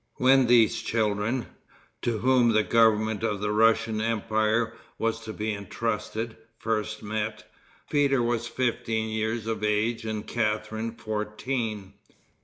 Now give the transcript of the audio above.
When these children, to whom the government of the Russian empire was to be intrusted, first met, Peter was fifteen years of age and Catharine fourteen.